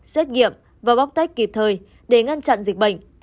xét nghiệm và bóc tách kịp thời để ngăn chặn dịch bệnh